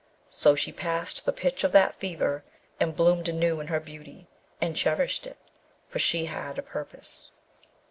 So she passed the pitch of that fever, and bloomed anew in her beauty, and cherished it, for she had a purpose.